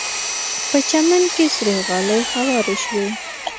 په چمن کې سرې غالۍ هوارې شوې.